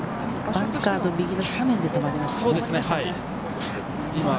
バンカー右の斜面で止まりました。